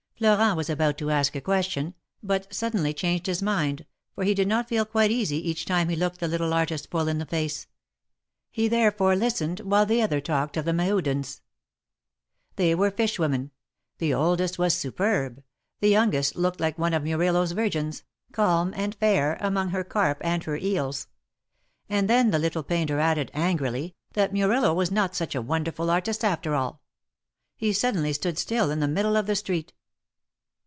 Florent was about to ask a question, but suddenly changed his mind, for he did not feel quite easy each time he looked the little artist full in the face. He there fore listened, while the other talked of the Mehudens. They were fish women — the oldest was superb — the youngest looked like one of Murillo's Virgins, calm and fair, among her carp and her eels. And then the little painter added, angrily, that Murillo was not such a wonderful artist after all. He suddenly stood still in the middle of the street.